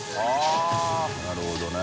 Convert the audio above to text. なるほどね。